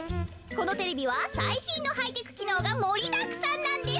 このテレビはさいしんのハイテクきのうがもりだくさんなんです。